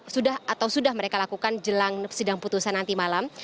sudah atau sudah mereka lakukan jelang sidang putusan nanti malam